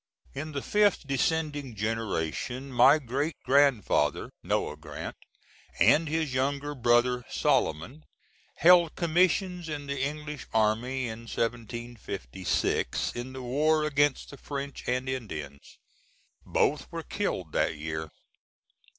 In the fifth descending generation my great grandfather, Noah Grant, and his younger brother, Solomon, held commissions in the English army, in 1756, in the war against the French and Indians. Both were killed that year.